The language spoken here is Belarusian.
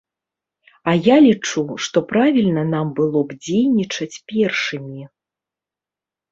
А я лічу, што правільна нам было б дзейнічаць першымі.